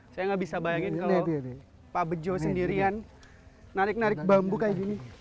saya nggak bisa bayangin kalau pak bejo sendirian narik narik bambu kayak gini